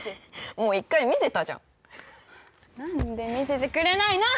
もう１回見せたじゃん何で見せてくれないの！